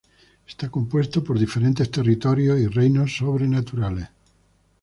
Está compuesto por diferentes territorios y reinos sobrenaturales.